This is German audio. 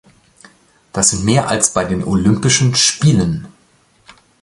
Das sind mehr als bei den Olympischen Spielen.